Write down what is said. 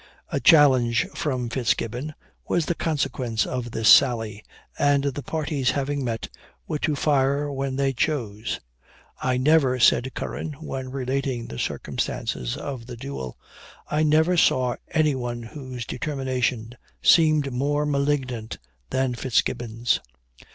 A challenge from Fitzgibbon was the consequence of this sally; and the parties having met, were to fire when they chose. "I never," said Curran, when relating the circumstances of the duel, "I never saw any one whose determination seemed more malignant than Fitzgibbon's.